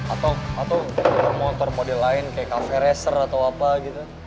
atau motor motor lain kayak cafe racer atau apa gitu